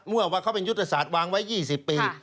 ว่าเขาเป็นยุทธศาสตร์วางไว้๒๐ปี